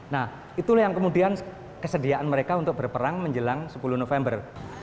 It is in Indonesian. nah itulah yang kemudian kesediaan mereka untuk berperang menjelang sepuluh november